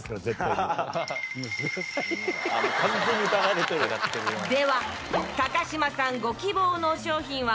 では高嶋さんご希望の商品はこちらです。